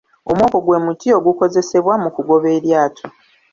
Omwoko gwe muti ogukozesebwa mu kugoba eryato.